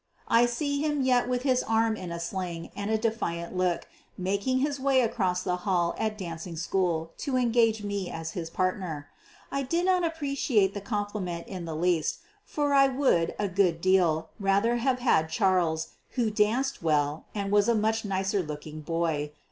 I see him yet with his arm in a sling and a defiant look, making his way across the hall at dancing school to engage me as his partner. I did not appreciate the compliment in the least, for I would a good deal rather have had Charles, who danced well and was a much nicer looking boy.